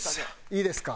いいですか？